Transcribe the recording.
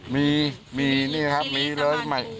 มีมีนี่ครับมีเลิศใหม่